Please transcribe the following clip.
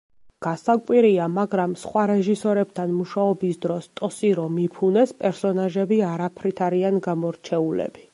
გასაკვირია, მაგრამ სხვა რეჟისორებთან მუშაობის დროს ტოსირო მიფუნეს პერსონაჟები არაფრით არიან გამორჩეულები.